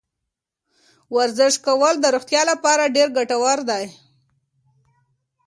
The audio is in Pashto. ورزش کول د روغتیا لپاره ډېر ګټور دی.